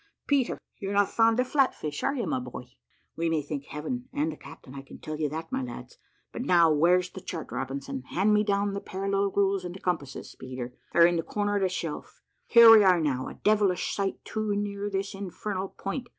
Peter, you're not fond of flatfish, are you, my boy? We may thank Heaven and the captain, I can tell you that, my lads; but now, where's the chart, Robinson? Hand me down the parallel rules and compasses, Peter; they are in the corner of the shelf. Here we are now, a devilish sight too near this infernal point.